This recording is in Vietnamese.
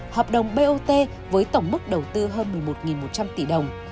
hợp đồng bot với tổng mức đầu tư hơn một mươi một một trăm linh tỷ đồng